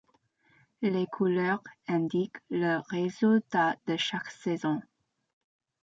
Les couleurs indiquent le résultat de chaque saison.